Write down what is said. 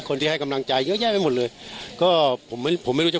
คนที่ให้กำลังใจเยอะแยะไปหมดเลยก็ผมไม่ผมไม่รู้จะ